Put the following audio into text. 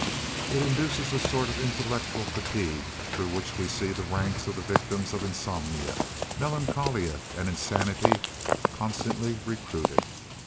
It induces a sort of intellectual fatigue through which we see the ranks of the victims of insomnia, melancholia, and insanity constantly recruited.